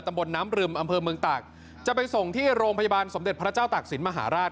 บนน้ำรึมอำเภอเมืองตากจะไปส่งที่โรงพยาบาลสมเด็จพระเจ้าตากศิลปมหาราช